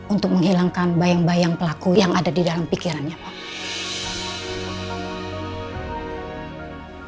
untuk menghilangkan bayang bayang pelaku yang ada di dalam pikirannya pak